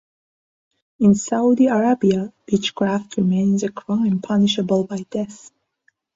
In Saudi Arabia, witchcraft remains a crime punishable by death.